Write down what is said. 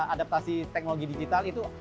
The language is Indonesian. adaptasi teknologi digital itu